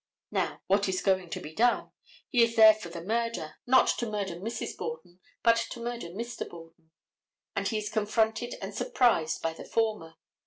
Now, what is going to be done? He is there for the murder; not to murder Mrs. Borden, but to murder Mr. Borden. And he is confronted and surprised by the former.